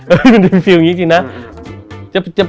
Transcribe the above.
มันมีความรู้สึกอย่างนี้จริงนะ